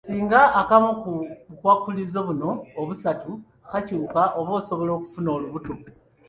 Singa akamu ku bukwakkulizo buno obusatu kakyuka, oba osobola okufuna olubuto.